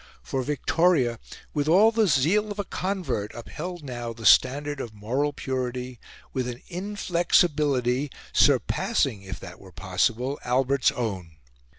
For Victoria, with all the zeal of a convert, upheld now the standard of moral purity with an inflexibility surpassing, if that were possible, Albert's own.